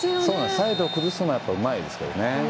サイドを崩すのはうまいですけどね。